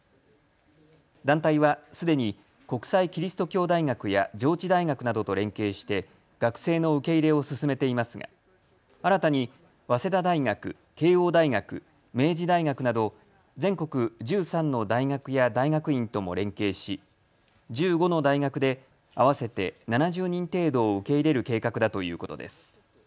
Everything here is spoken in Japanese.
団体はすでに国際基督教大学や上智大学などと連携して学生の受け入れを進めていますが新たに早稲田大学、慶応大学、明治大学など全国１３の大学や大学院とも連携し１５の大学で合わせて７０人程度を受け入れる計画だということです。